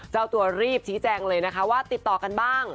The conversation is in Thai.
เจ้าตัวรีบชี้แจงเลยนะคะว่าติดต่อกันบ้าง